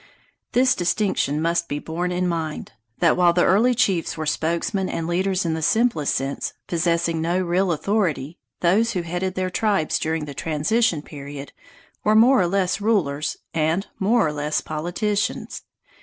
This distinction must be borne in mind that while the early chiefs were spokesmen and leaders in the simplest sense, possessing no real authority, those who headed their tribes during the transition period were more or less rulers and more or less politicians.